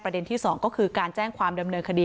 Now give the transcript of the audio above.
ประเด็นที่สองก็คือการแจ้งความดำเนินคดี